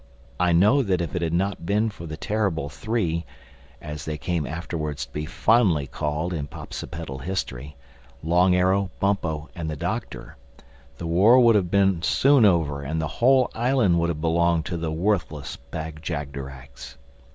I know that if it had not been for the Terrible Three—as they came afterwards to be fondly called in Popsipetel history—Long Arrow, Bumpo and the Doctor, the war would have been soon over and the whole island would have belonged to the worthless Bag jagderags.